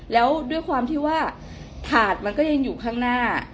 แล้วด้วยความที่ว่าถาดมันก็ยังอยู่ข้างหน้า